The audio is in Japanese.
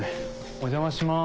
お邪魔します。